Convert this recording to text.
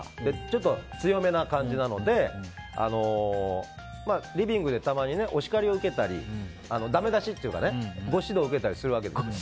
ちょっと強めの感じなのでリビングでたまにお叱りを受けたりだめ出しっていうかねご指導を受けたりするわけです。